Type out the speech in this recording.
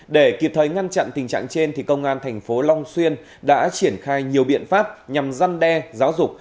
để kịp thời ngăn chặn tình trạng trên thì công an tp long xuyên đã triển khai nhiều biện pháp nhằm răn đe giáo dục